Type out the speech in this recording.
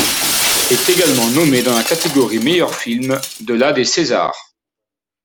Il est également nommé dans la catégorie meilleur film de la des César.